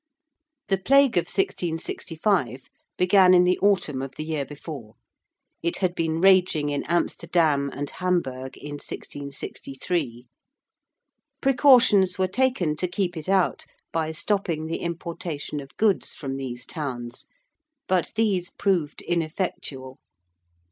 The Plague of 1665 began in the autumn of the year before. It had been raging in Amsterdam and Hamburg in 1663. Precautions were taken to keep it out by stopping the importation of goods from these towns. But these proved ineffectual.